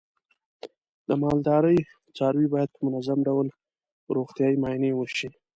د مالدارۍ څاروی باید په منظم ډول روغتیايي معاینې وشي.